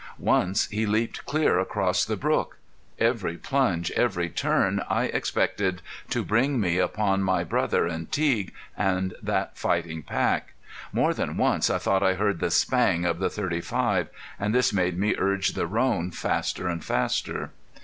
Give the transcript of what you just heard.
Once he leaped clear across the brook. Every plunge, every turn I expected to bring me upon my brother and Teague and that fighting pack. More than once I thought I heard the spang of the .35 and this made me urge the roan faster and faster.